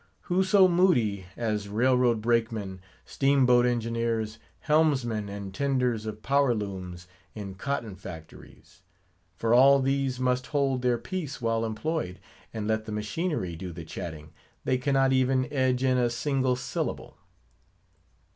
Who so moody as railroad brakemen, steam boat engineers, helmsmen, and tenders of power looms in cotton factories? For all these must hold their peace while employed, and let the machinery do the chatting; they cannot even edge in a single syllable.